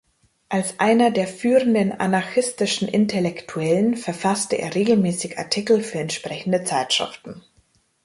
Als einer der führenden anarchistischen Intellektuellen verfasste er regelmäßig Artikel für entsprechende Zeitschriften.